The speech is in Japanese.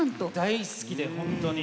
大好きで本当に。